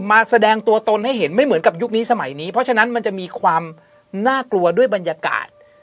แสดงตัวตนให้เห็นไม่เหมือนกับยุคนี้สมัยนี้เพราะฉะนั้นมันจะมีความน่ากลัวด้วยบรรยากาศ